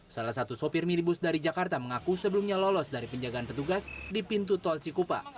salah satu sopir minibus dari jakarta mengaku sebelumnya lolos dari penjagaan petugas di pintu tol cikupa